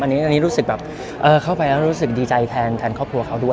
อันนี้รู้สึกแบบเข้าไปแล้วรู้สึกดีใจแทนครอบครัวเขาด้วย